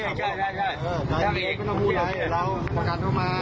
แอ่ได้มันอม่วงไลน์เหลือแล้วมันกันมา